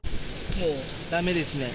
もうだめですね。